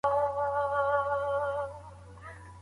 د هلکانو لیلیه په خپلسري ډول نه ویشل کیږي.